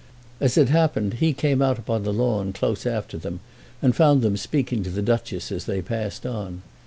As it happened he came out upon the lawn close after them, and found them speaking to the Duchess as they passed on.